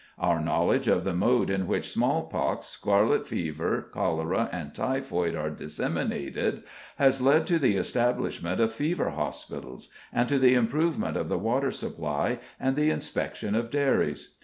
Our knowledge of the mode in which small pox, scarlet fever, cholera, and typhoid are disseminated has led to the establishment of fever hospitals, and to the improvement of the water supply, and the inspection of dairies.